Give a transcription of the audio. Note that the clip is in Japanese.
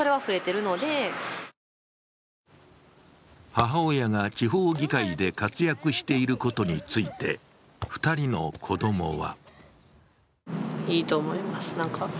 母親が地方議会で活躍していることについて２人の子供は。